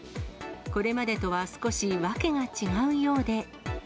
これまでとは少し訳が違うようで。